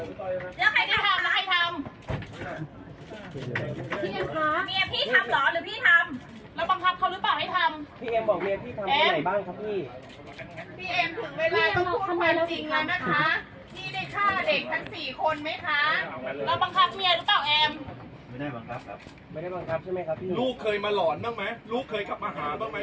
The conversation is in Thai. ลูกเคยกลับมาหาบ้างไหมที่เคยลงมือไป